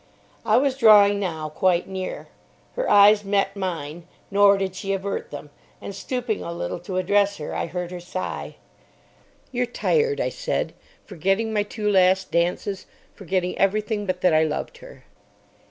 I was drawing now quite near. Her eyes met mine; nor did she avert them, and stooping a little to address her, I heard her sigh. "You're tired," I said, forgetting my two last dances, forgetting everything but that I loved her.